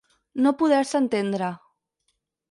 No poder-se entendre.